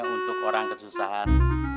untuk orang kesusahan